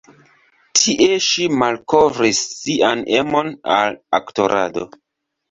Tie ŝi malkovris sian emon al aktorado.